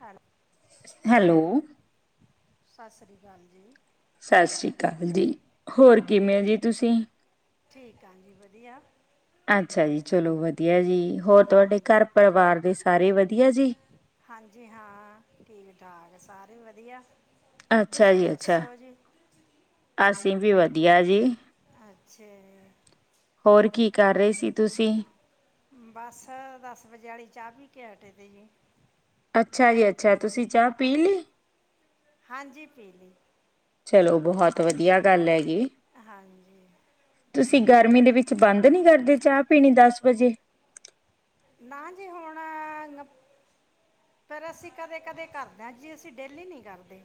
ਹੈਲ ਹੈਲੋ ਸਤਿ ਸ਼੍ਰੀ ਅਕਾਲ ਜੀ। ਸਤਿ ਸ਼੍ਰੀ ਅਕਾਲ ਜੀ ਹੋਰ ਕਿਵੇਂ ਜੀ ਤੁਸੀਂ ਠੀਕ ਆ ਜੀ ਵਧੀਆ ਅੱਛਾ ਜੀ ਚਲੋ ਵਧੀਆ ਜੀ ਹੋਰ ਤੁਹਾਡੇ ਹਾਂਜੀ ਘਰ ਪਰਿਵਾਰ ਦੇ ਸਾਰੇ ਵਧੀਆ ਜੀ। ਹਾਂਜੀ ਹਾਂ ਠੀਕ ਠਾਕ ਸਾਰੇ ਵਧੀਆ ਅੱਛਾ ਤੁਸੀਂ ਜੀ ਅੱਛਾ ਦੱਸੋ ਜੀ ਅਸੀਂ ਵੀ ਵਧੀਆ ਜੀ। ਅੱਛਾ ਜੀ ਹੋਰ ਕੀ ਕਰ ਰਹੇ ਸੀ ਤੁਸੀਂ ਬਸ ਦਸ ਵਜੇ ਅਲੀ ਚਾਹ ਪੀ ਕੇ ਹਟੇ ਤੀ ਜੀ। ਅੱਛਾ ਜੀ ਅੱਛਾ ਤੁਸੀਂ ਚਾਹ ਪੀ ਲੀ ਹਾਂਜੀ ਪੀ ਲੀ ਚਲੋ ਬਹੁਤ ਵਧੀਆ ਗੱਲ ਹੈ ਜੀ। ਹਾਂਜੀ ਤੁਸੀਂ ਗਰਮੀ ਦੇ ਵਿੱਚ ਬੰਦ ਨਈ ਕਰਦੇ ਚਾਹ ਪੀਣੀ ਦਸ ਵਜੇ ਨਾ ਜੀ ਹੁਣ ਪਰ ਅਸੀਂ ਕਦੇ-ਕਦੇ ਕਰਦੇ ਹਾਂ ਜੀ ਅਸੀਂ ਡੇਲੀ ਨਈ ਕਰਦੇ।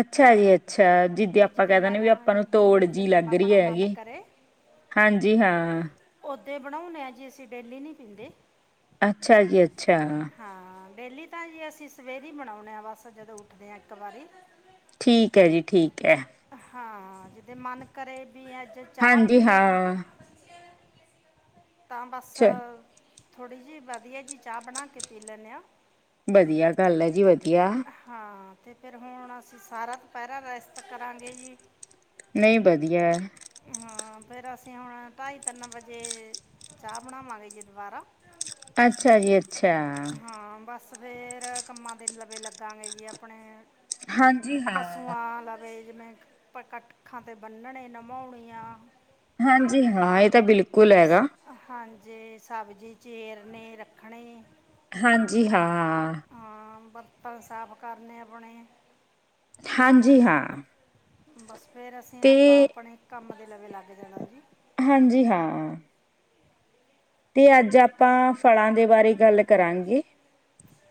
ਅੱਛਾ ਜੀ ਅੱਛਾ ਜਿੱਦਾਂ ਵੀ ਆਪਾਂ ਜਿਹਦੇ ਕਹਿ ਦਿੰਦੇ ਮਨ ਵੀ ਆਪਾਂ ਨੂੰ ਵੀ ਤੋੜ ਜਿਹੀ ਜਿਵੇਂ ਲੱਗ ਰਹੀ ਆਪਣਾ ਮਨ ਹੈਗੀ। ਕਰੇ ਹਾਂਜੀ ਹਾਂ। ਉਦੇ ਬਣਾਣੇ ਹਾਂ ਜੀ ਅਸੀਂ ਡੇਲੀ ਨਹੀਂ ਪੀਂਦੇ। ਅੱਛਾ ਜੀ ਅੱਛਾ ਹਾਂ ਡੇਲੀ ਤਾਂ ਜੀ ਅਸੀਂ ਸਵੇਰੇ ਹੀ ਬਨਾਣੇ ਹਾਂ ਬਸ ਜਦੋਂ ਉੱਠਦੇ ਹਾਂ ਇੱਕ ਵਾਰੀ ਠੀਕ ਐ ਜੀ ਠੀਕ ਐ। ਹਾਂ ਜਿਦੇ ਮਨ ਕਰੇ ਵੀ ਅੱਜ ਚਾਹ ਹਾਂਜੀ ਪੀਣੀ ਐ। ਹਾਂ ਤਾਂ ਬਸ ਚ ਥੋੜ੍ਹੀ ਜਿਹੀ ਵਧੀਆ ਜੀ ਚਾਹ ਬਣਾ ਕੇ ਪੀ ਲੈਂਣੇ ਆਂ। ਵਧੀਆ ਗੱਲ ਹੈ ਜੀ ਵਧੀਆ ਹਾਂ ਤੇ ਫਿਰ ਹੁਣ ਅਸੀਂ ਸਾਰਾ ਦੁਪੈਰਾ ਰੇਸ਼ਤ ਕਰਾਂਗੇ ਜੀ। ਨਈ ਵਧੀਆ ਹਾਂ ਫਿਰ ਅਸੀਂ ਹੁਣ ਢਾਈ ਤਿੰਨ ਵਜੇ ਚਾਹ ਬਣਾਵਾਂਗੇ ਜੀ ਦੁਬਾਰਾ ਅੱਛਾ ਜੀ ਅੱਛਾ ਹਾਂ ਬਸ ਸਵੇਰ ਕੰਮਾਂ ਤਿੰਨ ਲੱਵੇੇ ਲੱਗਾਂਗੇ ਜੀ ਆਪਣੇ। ਹਾਂਜੀ ਹਾਂ ਪਸੂਆਂ ਲਵੇ ਜਿਵੇਂ ਕੱਖਾਂ ਤੇ ਬੰਨਣੇ ਨਭਾਉਣੀਆਂ ਹਾਂਜੀ ਹਾਂ ਇਹ ਤਾਂ ਬਿਲਕੁਲ ਹੈਗਾ ਹਾਂਜੀ, ਸਬਜ਼ੀ ਚੀਰਨੀ ਰੱਖਣੀ। ਹਾਂਜੀ ਹਾਂ ਬਰਤਨ ਸਾਫ਼ ਕਰਨੇ ਆਪਣੇ। ਹਾਂਜੀ ਹਾਂ। ਬਸ ਫਿਰ ਅਸੀਂ ਤੇ ਆਪਾਂ ਆਪਣੇ ਕੰਮ ਦੇ ਲਵੇ ਲੱਗ ਜਾਣਾ ਜੀ। ਹਾਂਜੀ ਹਾਂ। ਤੇ ਅੱਜ ਆਪਾਂ ਫਲਾਂ ਦੇ ਬਾਰੇ ਗੱਲ ਕਰਾਂਗੇ।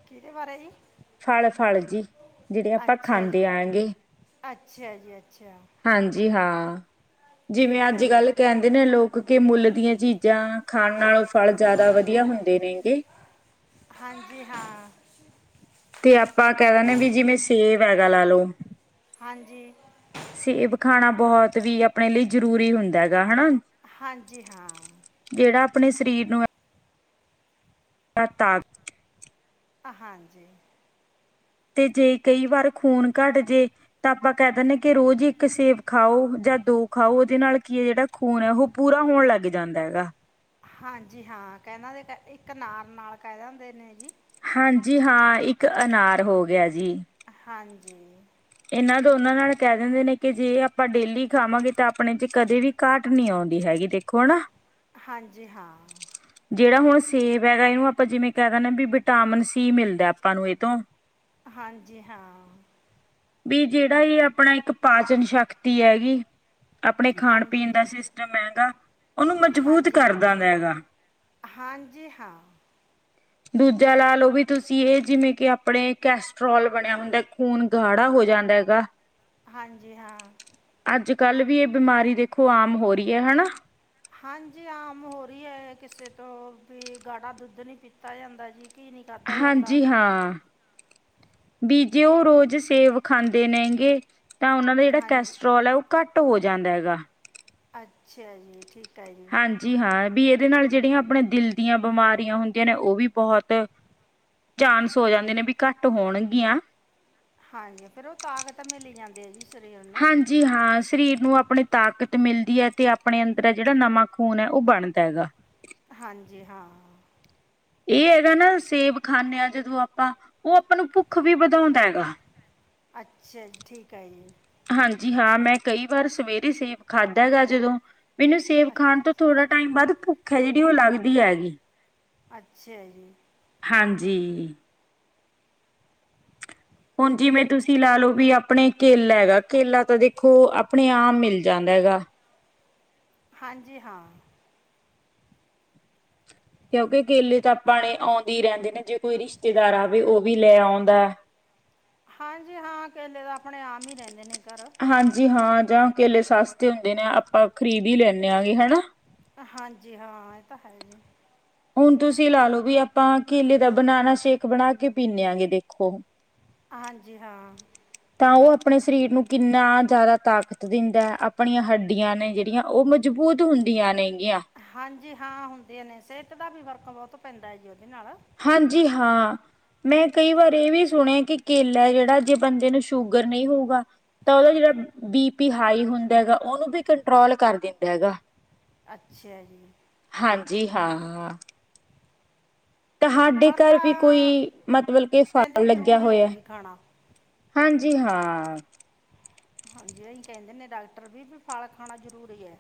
ਕਿਹਦੇ ਬਾਰੇ ਜੀ। ਫਲ ਫਲ ਜੀ ਜਿਹੜੇ ਆਪਾਂ ਅੱਛਾ ਜੀ ਖਾਂਦੇ ਆਗੇ। ਅੱਛਾ ਜੀ ਅੱਛਾ ਹਾਂਜੀ ਹਾਂ ਜਿਵੇਂ ਠੀਕ ਅੱਜ ਹੈ ਜੀ ਕੱਲ੍ਹ ਕਹਿੰਦੇ ਨੇ ਲੋਕ ਕਿ ਮੁੱਲ ਦੀਆਂ ਚੀਜ਼ਾਂ ਖਾਣ ਨਾਲੋਂ ਫਲ ਜ਼ਿਆਦਾ ਵਧੀਆ ਹੁੰਦੇ ਨੇਗੇ। ਹਾਂਜੀ ਹਾਂ ਤੇ ਆਪਾਂ ਕਹਿ ਦਿੰਦੇ ਵੀ ਜਿਵੇਂ ਸੇਬ ਹੈਗਾ ਲਾ ਲੋ ਹਾਂਜੀ ਸੇਬ ਖਾਣਾ ਬਹੁਤ ਵੀ ਆਪਣੇ ਲਈ ਜਰੂਰੀ ਹੁੰਦਾ ਹੈਗਾ ਹਨਾ। ਹਾਂਜੀ ਹਾਂ ਜਿਹੜਾ ਆਪਣੇ ਸਰੀਰ ਨੂੰ ਤਾਕਤ ਹਾਂਜੀ ਤੇ ਜੇ ਕਈ ਵਾਰ ਖੂਨ ਘੱਟ ਜੇ ਤਾਂ ਆਪਾਂ ਕਹਿ ਦਿੰਦੇ ਹ ਕਿ ਰੋਜ਼ ਇੱਕ ਸੇਬ ਖਾਓ ਜਾਂ ਦੋ ਖਾਓ ਉਹਦੇ ਨਾਲ ਕੀ ਹੈ ਜਿਹੜਾ ਖੂਨ ਹੈ ਉਹ ਪੂਰਾ ਹੋਣ ਲੱਗ ਜਾਂਦਾ ਹੈਗਾ ਹਾਂਜੀ ਹਾਂ ਕਹਿੰਦਾ ਦੇ ਤਾ ਇਕ ਅਨਾਰ ਨਾਲ ਕਹਿ ਦਿੰਦੇ ਨੇ ਜੀ ਹਾਂਜੀ ਹਾਂ ਇੱਕ ਅਨਾਰ ਹੋ ਗਿਆ ਜੀ ਹਾਂਜੀ ਇਹਨਾਂ ਦੋਨਾਂ ਨਾਲ ਕਹਿ ਦਿੰਦੇ ਨੇ ਕਿ ਜੇ ਆਪਾਂ ਡੇਲੀ ਖਾਵਾਂਗੇ ਤਾਂ ਆਪਣੇ ਚ ਕਦੇ ਵੀ ਘਾਟ ਨਹੀਂ਼ਆਉਂਦੀ ਹੈਗੀ ਦੇਖ ਹਾਂਜੀ ਹਾਂ ਜਿਹੜਾ ਹੁਣ ਸੇਬ ਹੈਗਾ ਇਹਨੂੰ ਆਪਾਂ ਜਿਵੇਂ ਕਹਿ ਦਿੰਦੇ ਵੀ ਵਿਟਾਮਿਨ ਸੀ ਮਿਲਦਾ ਆਪਾਂ ਨੂੰ ਇਹ ਤੋਂ ਹਾਂਜੀ ਹਾਂ ਵੀ ਜਿਹੜਾ ਇਹ ਆਪਣਾ ਇੱਕ ਪਾਚਨ ਸ਼ਕਤੀ ਹੈਗੀ ਆਪਣੇ ਖਾਣ ਪੀਣ ਹਾਂਜੀ ਦਾ ਸਿਸਟਮ ਹੈਗਾ, ਉਹਨੂੰ ਮਜ਼ਬੂਤ ਹਾਂਜੀ ਕਰਦਾ ਹੈਗਾ। ਹਾਂਜੀ ਹਾਂ ਦੂਜਾ ਲਾ ਲਓ ਵੀ ਤੁਸੀਂ ਇਹ ਜਿਵੇਂ ਕਿ ਆਪਣੇ ਕੈਸਟਰੋਲ ਬਣਿਆ ਹੁੰਦਾ ਖੂਨ ਗਾੜਾ ਹੋ ਜਾਂਦਾ ਹੈਗਾ। ਹਾਂਜੀ ਹਾਂ ਅੱਜ ਕੱਲ੍ਹ ਵੀ ਇਹ ਬਿਮਾਰੀ ਦੇਖੋ ਆਮ ਹੋ ਰਹੀ ਹੈ। ਹਾਂਜੀ ਆਮ ਹੋ ਰਹੀ ਹੈ ਕਿਸੇ ਤੋਂ ਵੀ ਗਾੜਾ ਦੁੱਧ ਨਹੀਂ ਪੀਤਾ ਜਾਂਦਾ ਜੀ। ਘੀ ਨਹੀਂ ਖਾਧਾ ਜਾਂਦਾ ਹਾਂਜੀ ਹਾਂ ਬੀਜੇ ਉਹ ਰੋਜ਼ ਸੇਬ ਖਾਂਦੇ ਨੇਗੇ ਤਾਂ ਉਹਨਾਂ ਦਾ ਜਿਹੜਾ ਹਾਂਜੀ ਕੈਸਟਰ੍ਰੋਲ ਐ, ਉਹ ਘੱਟ ਹੋ ਜਾਂਦਾ ਹੈਗਾ। ਅੱਛਾ ਜੀ, ਠੀਕ। ਹੈ ਜੀ ਹਾਂਜੀ ਹਾਂ, ਵੀ ਇਹਦੇ ਨਾਲ ਜਿਹੜੀਆਂ ਆਪਣੇ ਦਿਲ ਦੀਆਂ ਬਿਮਾਰੀਆਂ ਹੁੰਦੀਆਂ ਨੇ ਉਹ ਵੀ ਬਹੁਤ ਚਾਂਨਸ ਹੋ ਜਾਂਦੇ ਨੇ ਬੀ ਘੱਟ ਹੋਣਗੀਆਂ। ਹਾਂਜੀ, ਫੇਰ ਉਹ ਤਾਕਤ ਮਿਲੀ ਜਾਂਦੀ ਐ ਜੀ ਸਰੀਰ ਨੂੰ। ਜੀ ਹਾਂ, ਸਰੀਰ ਨੂੰ ਆਪਣੀ ਤਾਕਤ ਮਿਲਦੀ ਐ ਤੇ ਆਪਣੇ ਅੰਦਰ ਆ ਜਿਹੜਾ ਨਵਾਂ ਖੂਨ ਏ, ਉਹ ਬਣਦਾ ਹੈਗਾ। [inaudible] ਹਾਂਜੀ, ਹਾਂ। ਇਹ ਹੈਗਾ ਨਾ, ਸੇਬ ਖਾਂਨੇ ਆਂ ਜਦੋਂ ਆਪਾਂ ਉਹ ਆਪਾਂ ਨੂੰ ਭੁੱਖ ਵੀ ਵਧਾਉਂਦਾ ਹੈਗਾ। ਅੱਛਾ ਜੀ, ਠੀਕ ਐ ਜੀ। ਹਾਂਜੀ ਹਾਂ, ਮੈਂ ਕਈ ਵਾਰ ਸਵੇਰੇ ਸੇਬ ਖਾਧਾ ਗਾ ਜਦੋਂ ਮੈਨੂੰ ਸੇਬ ਅ- ਖਾਣ ਤੋਂ ਥੋੜ੍ਹਾ ਟਾਈਮ ਬਾਅਦ ਭੁੱਖ ਐ ਜਿਹੜੀ, ਉਹ ਲੱਗਦੀ ਐਗੀ। ਅੱਛਾ ਜੀ। ਹਾਂਜੀ। ਹੁਣ ਜਿਵੇਂ ਤੁਸੀਂ ਲਾ ਲਓ ਵੀ ਆਪਣੇ ਕੇਲਾ ਹੈਗਾ, ਕੇਲਾ ਤਾਂ ਦੇਖੋ ਆਪਣੇ ਆਮ ਮਿਲ ਜਾਂਦਾ ਹੈਗਾ। ਹਾਂਜੀ ਹਾਂ। ਕਿਉਂਕਿ, ਕੇਲੇ ਤਾਂ ਆਪਾਂਣੇ ਆਉਂਦੇ ਈ ਰਹਿੰਦੇ ਨੇ, ਜੇ ਕੋਈ ਰਿਸ਼ਤੇਦਾਰ ਆਵੇ ਉਹ ਵੀ ਲੈ ਆਉਂਦਾ। ਹਾਂਜੀ ਹਾਂ, ਕੇਲੇ ਆਪਣੇ ਆਮ ਈ ਰਹਿੰਦੇ ਨੇ ਘਰ। ਹਾਂਜੀ ਹਾਂ, ਜਾਂ ਕੇਲੇ ਸਸਤੇ ਹੁੰਦੇ ਨੇ ਆਪਾਂ ਖਰੀਦ ਈ ਲੈਂਨੇ ਆਂਗੇ ਹਨਾ। ਹਾਂਜੀ ਹਾਂ, ਇਹ ਤਾਂ ਹੈ ਈ ਐ। ਹੁਣ ਤੁਸੀਂ ਲਾ ਲਓ ਵੀ ਆਪਾਂ ਕੇਲੇ ਦਾ ਬਨਾਨਾ ਸ਼ੇਕ ਬਣਾ ਕੇ ਪੀਂਨੇ ਐਗੇ ਦੇਖੋ ਹਾਂਜੀ ਹਾਂ। ਤਾਂ ਉਹ ਆਪਣੇ ਸਰੀਰ ਨੂੰ ਕਿੰਨਾ ਜ਼ਿਆਦਾ ਤਾਕਤ ਦਿੰਦਾ, ਆਪਣੀਆਂ ਹੱਡੀਆਂ ਨੇ ਜਿਹੜੀਆਂ ਉਹ ਮਜ਼ਬੂਤ ਹੁੰਦੀਆਂ ਨੇਗੀਆਂ। ਹਾਂਜੀ ਹਾਂ, ਹੁੰਦੀਆਂ ਨੇ ਸਿਹਤ ਦਾ ਵੀ ਫਰਕ ਬਹੁਤ ਪੈਂਦਾ ਜੀ, ਉਹਦੇ ਨਾਲ ਹਾਂਜੀ ਹਾਂ। ਮੈਂ ਕਈ ਵਾਰ ਇਹ ਵੀ ਸੁਣਿਆ ਕਿ ਕੇਲਾ ਜਿਹੜਾ ਜੇ ਬੰਦੇ ਨੂੰ ਸ਼ੂਗਰ ਨਹੀਂ ਹੋਊਗਾ ਤਾਂ ਉਹਦਾ ਜਿਹੜਾ ਬੀ ਪੀ ਹਾਈ ਹੁੰਦਾ ਹੈਗਾ, ਉਹਨੂੰ ਵੀ ਕੰਟਰੋਲ ਕਰ ਦਿੰਦਾ ਹੈਗਾ। ਅੱਛਾ ਜੀ। ਹਾਂਜੀ ਹਾਂ-ਹਾਂ। ਤੁਹਾਡੇ ਫਲ ਘਰ ਵੀ ਤਾਂ ਕੋਈ, ਮਤਲਬ ਕੇ ਕਹਿੰਦੇ ਫਾਲ ਲੱਗਿਆ ਜ਼ਰੂਰੀ ਹੈ ਹੋਇਆ? ਜੀ ਖਾਣਾ ਹਾਂਜੀ ਹਾਂ। ਹਾਂਜੀ, ਏਹੀ ਕਹਿੰਦੇ ਨੇ ਡਾਕਟਰ ਵੀ-ਵੀ ਫਲ ਖਾਣਾ ਜ਼ਰੂਰੀ ਐ।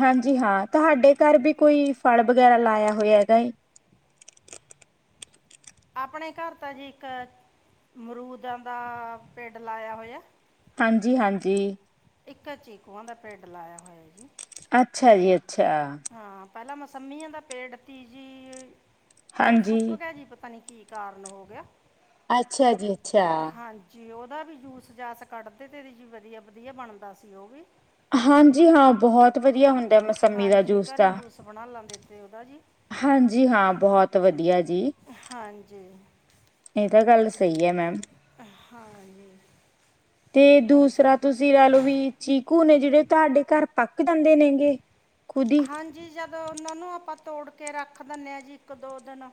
ਹਾਂਜੀ ਹਾਂ, ਤੁਹਾਡੇ ਘਰ ਵੀ ਕੋਈ ਫਲ ਵਗੈਰਾ ਲਾਇਆ ਹੋਇਆ ਹੈਗਾ ਏ। ਆਪਣੇ ਘਰ ਤਾਂ ਜੀ ਇੱਕ ਮਰੂਦਾਂ ਦਾ ਪੇੜ ਲਾਇਆ ਹੋਇਆ। ਹਾਂਜੀ-ਹਾਂਜੀ। ਇੱਕ ਐ ਚੀਕੂਆਂ ਦਾ ਪੇਡ ਲਾਇਆ ਹੋਇਆ ਜੀ। ਅੱਛਾ ਜੀ ਅੱਛਾ। ਹਾਂ ਪਹਿਲਾਂ ਮਸੰਮੀਆਂ ਦਾ ਪੇੜ ਤੀ ਜੀ, ਉਹ ਸੁੱਕ ਹਾਂਜੀ। ਗਿਆ ਜੀ, ਪਤਾ ਨੀ ਕੀ ਕਾਰਨ ਹੋ ਗਿਆ। ਅੱਛਾ ਜੀ ਅੱਛਾ। ਹਾਂਜੀ, ਉਹਦਾ ਵੀ ਜੂਸ-ਜਾਸ ਕੱਢਦੇ ਤੇ ਜ ਵਧੀਆ-ਵਧੀਆ ਬਣਦਾ ਸੀ ਉਹ ਵੀ। ਹਾਂਜੀ ਹਾਂ, ਬਹੁਤ ਵਧੀਆ ਹੁੰਦਾ ਮੌਸੰਮੀ ਦਾ ਜੇ ਘਰੇਂ ਈ ਜੂਸ ਬਣਾ ਲੈਂਦੇ ਤੇ ਉਹਦਾ ਜੀ। ਹਾਂਜੀ ਹਾਂ, ਬਹੁਤ ਵਧੀਆ ਜੀ। ਹਾਂਜੀ ਇਹ ਤਾਂ ਗੱਲ ਸਹੀ ਹੈ ਮੈਮ ਹਾਂਜੀ ਤੇ ਹੁਣ ਦੂਸਰਾ ਜੀ ਤੁਸੀਂ ਲਹਿ ਲੋਓ ਵੀ ਚੀਕੂ ਨੇ ਜਿਹੜੇ ਤੁਹਾਡੇ ਘਰ ਪੱਕ ਦਿੰਦੇ ਨੇਗੇ ਖੁਦੀ ਫਿਰ ਓਨਾਂ ਨੂੰ ਆਪਾਂ ਤੋੜ ਕੇ ਰੱਖ ਦਿੰਦੇ ਆ ਜੀ ਇੱਕ ਦੋ ਦਿਨ।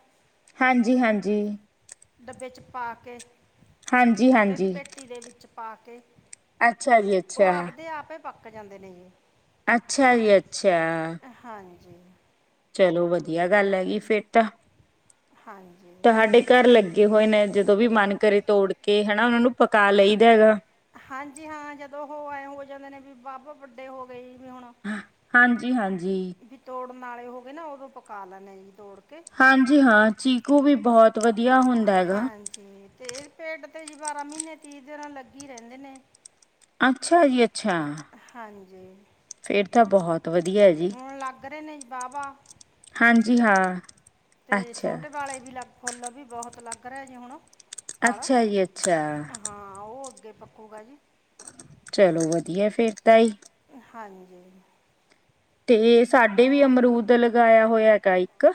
ਹਾਂਜੀ ਹਾਂਜੀ ਡੱਬੇ 'ਚ ਪਾ ਕੇ ਹਾਂਜੀ ਗੱਤੇ ਦੀ ਹਾਂਜੀ ਪੇਟੀ ਦੇ ਵਿੱਚ ਪਾ ਕੇ ਅੱਛਾ ਜੀ ਉਹ ਅੱਛਾ ਆਪਦੇ ਆਪੇ। ਪੱਕ ਜਾਂਦੇ ਨੇ ਜੀ। ਅੱਛਾ ਜੀ ਅੱਛਾ ਹਾਂਜੀ ਚਲੋ ਵਧੀਆ ਗੱਲ ਹੈਗੀ ਫਿਰ ਤਾਂ। ਹਾਂਜੀ ਤੁ ਸਾਡੇ ਘਰ ਲੱਗੇ ਹੋਏ ਨੇ ਜਦੋਂ ਵੀ ਮਨ ਕਰੇ ਤੋੜ ਕੇ ਹਨਾ ਉਹਨਾਂ ਨੂੰ ਪਕਾ ਲਈਦਾ ਹੈਗਾ ਹਾਂਜੀ ਹਾਂ ਜਦੋਂ ਉਹ ਐਂ ਹੋ ਜਾਂਦੇ ਨੇ ਵੀ ਬਾਬ ਵੱਡੇ ਹੋ ਗਏ ਜੀ ਵੀ ਹੁਣ। ਹਾਂਜੀ ਹਾਂਜੀ ਵੀ ਤੋੜਨ ਵਾਲੇ ਹੋ ਗਏ ਨਾ, ਉਦੋਂ ਪਕਾ ਲੈਂਨੇ ਆ ਜੀ ਤੋੜ ਕੇ। ਹਾਂਜੀ ਹਾਂ ਚੀਕੂ ਵੀ ਬਹੁਤ ਵਧੀਆ ਹੁੰਦਾ ਹੈਗਾ ਜ ਤੇ ਇਹ ਪਿੰਟ ਤੇ ਜੀ ਬਾਰਾਂ ਮਹੀਨੇ ਤੀਹ ਦਿਨ ਲੱਗੀ ਰਹਿੰਦੇ ਨੇ। ਅੱਛਾ ਜੀ ਅੱਛਾ ਹਾਂਜੀ ਫਿਰ ਤਾਂ ਬਹੁਤ ਵਧੀਆ ਹੈ ਜੀ ਹੁਣ ਲੱਗ ਰਹੇ ਨੇ ਜੀ ਵਾਹਵਾ ਹਾਂਜੀ ਹਾਂ ਅਤੇ ਅੱਛਾ ਛੋਟੇ ਵਾਲੇ ਵੀ ਲੱਗ ਫੁੱਲ ਵੀ ਬਹੁਤ ਲੱਗ ਰਿਹਾ ਜੀ ਹੁਣ ਫਲ ਅੱਛਾ ਜੀ ਅੱਛਾ ਹਾਂ ਉਹ ਅੱਗੇ ਪੱਕੂਗਾ ਜੀ ਚਲੋ ਵਧੀਆ ਫੇਰ ਤਾ ਜੀ। ਹਾਂਜੀ ਤੇ ਸਾਡੇ ਵੀ ਉਹ ਅਮਰੂਦ ਲਗਾਇਆ ਹੋਇਆ ਹੈਗਾ ਇੱਕ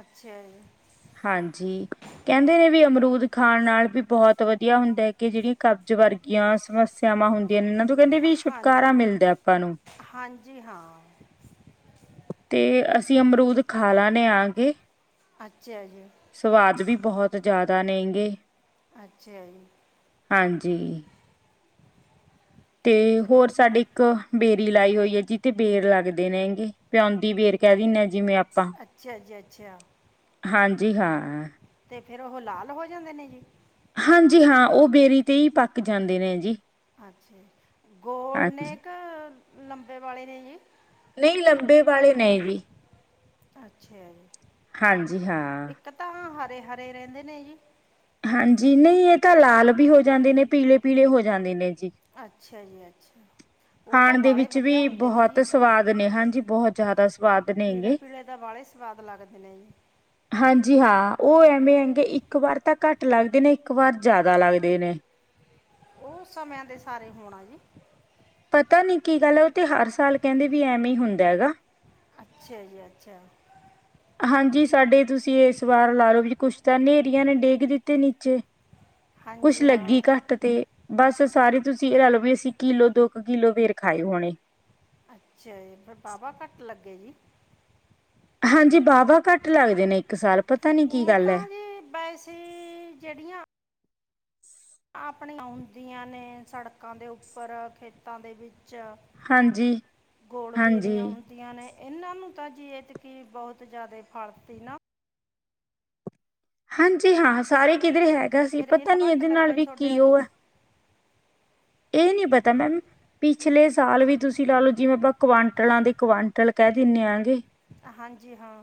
ਅੱਛਾ ਜੀ ਹਾਂਜੀ ਕਹਿੰਦੇ ਨੇ ਵੀ ਅਮਰੂਦ ਖਾਣ ਨਾਲ ਵੀ ਬਹੁਤ ਵਧੀਆ ਹੁੰਦਾ ਕਿ ਜਿਹੜੀਆਂ ਕਬਜ਼ ਵਰਗੀਆਂ ਸਮੱਸਿਆਵਾਂ ਹੁੰਦੀਆਂ ਨੇ। ਇਹਨਾਂ ਤੋਂ ਕਹਿੰਦੇ ਵੀ ਹਾਂ ਛੁਟਕਾਰਾ ਮਿਲਦਾ ਆਪਾਂ ਨੂੰ। ਹਾਂਜੀ ਹਾਂ ਤੇ ਅਸੀਂ ਅਮਰੂਦ ਖਾਲਾ ਨੇ ਆ ਕੇ ਅੱਛਾ ਅੱਛਾ ਸਵਾਦ ਵੀ ਬਹੁਤ ਜ਼ਿਆਦਾ ਨੇਗੇ। ਅੱਛਾ ਜੀ ਹਾਂਜੀ ਤੇ ਚਲੋ ਹੋਰ ਸਾਡੇ ਇੱਕ ਬੇਰੀ ਲਾਈ ਹੋਈ ਹੈ ਜਿਥ ਬੇਰ ਲੱਗਦੇ ਨੇ ਹੈਗੇ। ਪਿਉਂਦੀ ਵੇਰ ਕਹਿ ਦਿੰਦੇ ਹ ਜਿਵੇਂ ਆਪਾਂ। ਅੱਛਾ ਜੀ ਅੱਛਾ ਹਾਂਜੀ ਹਾਂ। ਤੇ ਫਿਰ ਉਹ ਲਾਲ ਹੋ ਜਾਂਦੇ ਨੇ ਜੀ। ਹਾਂਜੀ ਹਾਂ, ਉਹ ਬੇਰੀ ਤੇ ਹੀ ਪੱਕ ਜਾਂਦੇ ਨੇ ਜੀ। ਅੱਛਾ ਜੀ, ਗੋਲ ਨੇ ਹਾਂਜੀ ਕਿ ਲੰਬੇ ਵਾਲੇ ਨੇ ਜੀ ਨਹੀਂ ਲੰਬੇ ਵਾਲੇ ਨੇ ਜੀ। ਅੱਛਾ ਜੀ ਹਾਂਜੀ ਹਾਂ ਇੱਕ ਤਾਂ ਹਰੇ ਹਰੇ ਰਹਿੰਦੇ ਨੇ ਜੀ ਹਾਂਜੀ ਨਹੀਂ ਇਹ ਤਾਂ ਲਾਲ ਵੀ ਹੋ ਜਾਂਦੇ ਨੇ ਪੀਲੇ ਪੀਲੇ ਹੋ ਜਾਂਦੇ ਨੇ ਜੀ ਅੱਛਾ ਜੀ ਅੱਛਾ ਉਹ ਤਾਂ ਖਾਣ ਦੇ ਬਾਹਲੇ ਵਿੱਚ ਵੀ ਵਧੀਆ ਹੁੰਦੇ ਨੇ ਬਹੁਤ ਜੀ ਸਵਾਦ ਨੇ ਹਾਂਜੀ ਬਹੁਤ ਜ਼ਿਆਦਾ ਸਵਾਦ ਪੀਲੇ ਨੇਗੇ ਪੀਲੇ ਦਾ ਵਾਲੇ ਹੀ ਸਵਾਦ ਲੱਗਦੇ ਨੇ ਜੀ ਹਾਂਜੀ ਹਾਂ ਉਹ ਐਵੇਂ ਹੈਂਗੇ ਇੱਕ ਵਾਰ ਤਾਂ ਘੱਟ ਲੱਗਦੇ ਨੇ ਇੱਕ ਵਾਰ ਜ਼ਿਆਦਾ ਲੱਗਦੇ ਨੇ ਉਹ ਸਮਿਆਂ ਦੇ ਸਾਰੇ ਹੋਣਾ ਜੀ ਪਤਾ ਨੀ ਕੀ ਗੱਲ ਹੈ ਉਹ ਤੇ ਹਰ ਸਾਲ ਕਹਿੰਦੇ ਵੀ ਐਵੇਂ ਹੀ ਹੁੰਦਾ ਹੈਗਾ ਅੱਛਾ ਜੀ ਅੱਛਾ ਹਾਂਜੀ ਸਾਡੇ ਤੁਸੀਂ ਇਸ ਵਾਰ ਲਾ ਲਓ ਵੀ ਕੁਛ ਤਾਂ ਹਨੇਰੀਆਂ ਨੇ ਡਿੱਗ ਦਿੱਤੇ ਨੀਚੇ ਕੁਛ ਹਾਂਜੀ ਲੱਗੀ ਹਾਂ ਘੱਟ ਤੇ ਬਸ ਸਾਰੇ ਤੁਸੀਂ ਇਹ ਰ ਲਓ ਵੀ ਅਸੀਂ ਕਿੱਲੋ ਦੋ ਕੁ ਕਿੱਲੋ ਬੇਰ ਖਾਏ ਹੋਣੇ ਅੱਛਾ ਜੀ ਫ ਵਾਹਵਾ ਘੱਟ ਲੱਗੇ ਜੀ ਹਾਂਜੀ ਵਾਹਵਾ ਘੱਟ ਲੱਗਦੇ ਨੇ ਇੱਕ ਸਾਲ ਪਤਾ ਨੀ ਕੀ ਗੱਲ ਹੈ ਤੇ ਜਿਹੜੀਆਂ ਆਪਣੀਆਂ ਹੁੰਦੀਆਂ ਨੇ ਸੜਕਾਂ ਦੇ ਉੱਪਰ ਖੇਤਾਂ ਦੇ ਵਿੱਚ ਹਾਂਜੀ। ਗੋੜ ਬੇਰੀਆਂ ਹਾਂਜੀ। ਹ ਆਂ ਨੇ ਇਹਨਾਂ ਨੂੰ ਤਾਂ ਜੀ ਇਹਤ ਕੀ ਬਹੁਤ ਜ਼ਿਆਦਾ ਫਲਤੀ ਨਾ ਹਾਂਜੀ ਹਾਂ ਸਾਰੇ ਕਿਧਰੇ ਹੈਗਾ ਸੀ ਫਿਰ ਪਤਾ ਇਹਨੂੰ ਨੀ ਘੱਟ ਇਹਦੇ ਨਾਲ ਲੱਗਿਆ ਜੀ ਵੀ ਤੁਹਾਡੇ ਕੀ ਵਾਲੇ ਨੂੰ ਉਹ ਹੈ ਇਹ ਨਹੀਂ ਪਤਾ ਮੈਮ ਪਿਛਲੇ ਸਾਲ ਵੀ ਤੁਸੀਂ ਲਾ ਲੋਓ ਜਿਵੇਂ ਆਪਾਂ ਕੁਆਂਟਲਾਂ ਦੇ ਕੁਆਂਟਲ ਕਹਿ ਦਿੰਦੇ ਆ ਗ ਹਾਂਜੀ ਹਾਂ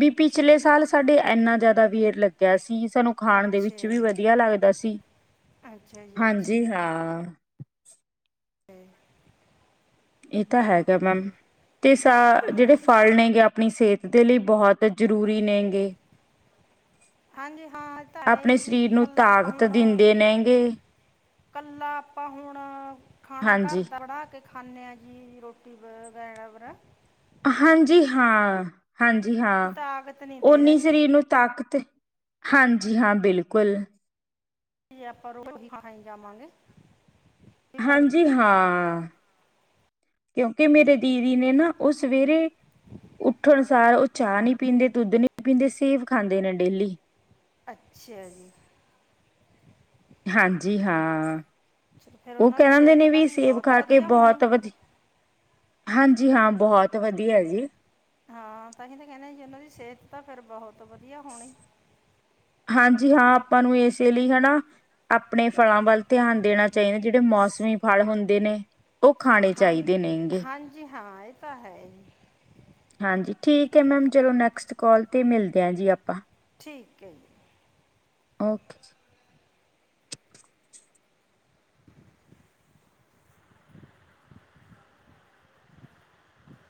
ਵੀ ਪਿਛਲੇ ਸਾਲ ਸਾਡੇ ਇੰਨਾ ਜ਼ਿਆਦਾ ਵੇਰ ਲੱਗਿਆ ਸੀ ਸਾਨੂੰ ਖਾਣ ਦੇ ਅੱਛਾ ਵਿੱਚ ਵੀ ਜੀ ਵਧੀਆ ਲੱਗਦਾ ਸੀ ਅੱਛਾ ਜੀ ਅੱਛਾ ਹਾਂਜੀ ਹਾਂ ਜੀ ਇਹ ਤਾਂ ਹੈਗਾ ਮੈਮ ਤੇ ਸਾ ਜਿਹੜੇ ਹਾਂ ਫਲ ਨੇਗੇ ਆਪਣੀ ਸਿਹਤ ਦੇ ਲਈ ਬਹੁਤ ਜ਼ਰੂਰੀ ਨੇ ਗ ਹਾਂਜੀ ਹਾਂ ਤਾਂ ਇਹ ਜੀ ਵੀ ਨੂੰ ਕੱਲਾ ਆਪਾਂ ਤਾਕਤ ਹੁਣ ਦਿੰਦੇ ਨੇਗੇ ਕੱਲਾ ਆਪਾਂ ਹੁਣ ਖਾਣਾ ਘਰ ਹਾਂਜੀ। ਦਾ ਬਣਾ ਕੇ ਕੇ ਖਾਂਦੇ ਆਾਂ ਜੀ ਰੋਟੀ ਵ ਵਗੈ ਵਰਾ ਹਾਂਜੀ ਹਾਂ ਹਾਂਜੀ ਹਾਂ ਤਾਕਤ ਨਹੀਂ ਦੇ ਰਿਹਾ ਓਨੀ ਜੀ ਸਰੀਰ ਨੂੰ ਤਾਕਤ ਹਾਂਜੀ ਹਾਂ ਬਿਲਕੁਲ ਆਪਾਂ ਰੋਟੀ ਖਾਣ ਜਾਵਾਂਗੇ ਵੀ ਬਦਲ ਹਾਂਜੀ ਹਾਂ ਕਿਉਂਕਿ ਮੇਰੇ ਦੀਦੀ ਨੇ ਨਾ ਉਹ ਸਵੇਰੇ ਉੱਠਣਨੁਸਾਰ ਉਹ ਚਾਹ ਨਹੀਂੀ ਪੀਂਦੇ ਦੁੱਧ ਨਹੀਂੀ ਪੀਂਦੇ ਸੇਵ ਖਾਂਦੇ ਨੇ ਡੇਲੀ ਅੱਛਾ ਜੀ ਹਾਂਜੀ ਹਾਂ ਚਲੋ ਫਿਰ ਉਹ ਉਹਨਾਂ ਦੀ ਕਹਿਿੰਦੇ ਸਿਹਤ ਨੇ ਤਾਂ ਵੀ ਜੀ ਸੇਬ ਬਹੁਤ ਖਾ ਕੇ ਵਧੀਆ ਹੋਣੀ ਬਹੁਤ ਵਧੀਆ ਹਾਂਜੀ ਹਾਂ ਬਹੁਤ ਵਧੀਆ ਹੈ ਜੀ ਹਾਂ ਤਾਂ ਅਸੀਂ ਤਾਂ ਕਹਿੰਦੇ ਜੀ ਉਹਨਾਂ ਦੀ ਸਿਹਤ ਤਾਂ ਫੇਿਰ ਬਹੁਤ ਵਧੀਆ ਹੋਣੀ ਹਾਂਜੀ ਹਾਂ ਆਪਾਂ ਨੂੰ ਇਸੇ ਲਈ ਹੈਾ ਆਪਣੇ ਫਲਾਂ ਵੱਲ ਧਿਆਨ ਦੇਣਾ ਚਾਹੀਦਾ ਜਿਹੜੇ ਮੌਸਮੀ ਫਲ ਹੁੰਦੇ ਨੇ ਉਹ ਖਾਣੇ ਹਾਂ ਚਾਹੀਦੇ ਨੇਗੇ ਹਾਂਜੀ ਹਾਂ ਇਹ ਤਾਂ ਹੈ ਹੀ ਹਾਂਜੀ ਠੀਕ ਹੈ ਮੈਮ ਚਲੋ ਨੈਕਸਟ ਕੋਾਲ 'ਤੇ ਮਿਲਦੇ ਹਾਂ ਜੀ ਆਪਾਂ ਠੀਕ ਹੈ ਜੀ ਓਕੇ ਜੀ [inaudible]